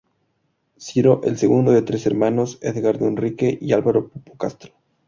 Ciro el segundo de tres hermanos: Edgardo Enrique y Álvaro Pupo Castro.